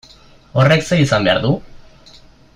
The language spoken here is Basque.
Horrek zer izan behar du?